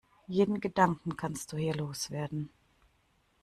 Jeden Gedanken kannst du hier los werden.